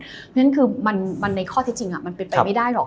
เพราะฉะนั้นคือมันในข้อที่จริงมันเป็นไปไม่ได้หรอก